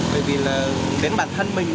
bởi vì là đến bản thân mình